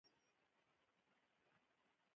هر څه خپل ځانګړی خوند لري.